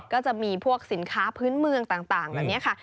ก็จะมีพวกสินค้าพื้นเมืองต่างแบบนี้ค่ะ